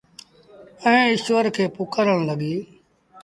ائيٚݩ ايٚشور کي پُڪآرڻ لڳيٚ۔